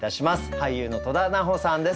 俳優の戸田菜穂さんです。